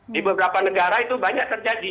di beberapa negara itu banyak terjadi